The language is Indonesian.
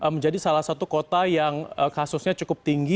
menjadi salah satu kota yang kasusnya cukup tinggi